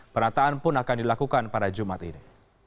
penataan pun akan dilakukan pada jumat ini